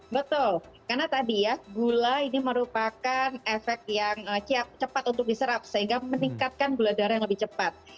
betul karena tadi ya gula ini merupakan efek yang cepat untuk diserap sehingga meningkatkan gula darah yang lebih cepat